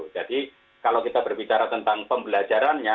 kalau kita berbicara tentang pembelajarannya